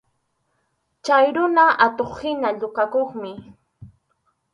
Chay runaqa atuq-hina yukakuqmi.